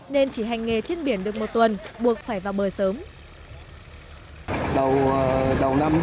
nên chỉ hành nghề trên biển được một tuần buộc phải vào bờ sớm